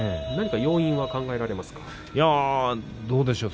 要因は考えられますか？